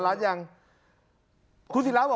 การเงินมันมีฝ่ายฮะ